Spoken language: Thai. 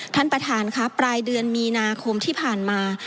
ท่านประธานครับปลายเดือนมีนาคมที่ผ่านมา